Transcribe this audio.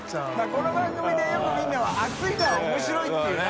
この番組でよく見るのは熱いのは面白いっていうな。